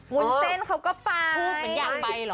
วุ้นเส้นเขาก็ไป